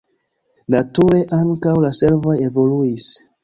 Nature ankaŭ la servoj evoluis.